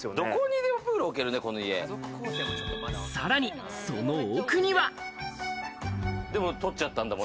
さらに、その奥には。